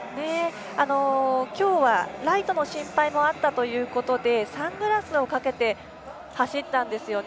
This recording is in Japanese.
今日はライトの心配もあったということでサングラスをかけて走ったんですよね。